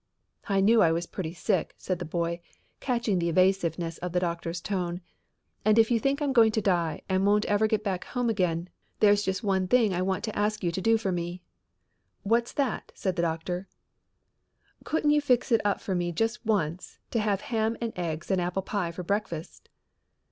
"I knew I was pretty sick," said the boy, catching the evasiveness of the doctor's tone, "and if you think I'm going to die and won't ever get back home again, there's just one thing I want to ask you to do for me." "What's that?" said the doctor. "Couldn't you fix it up for me just once to have ham and eggs and apple pie for breakfast?"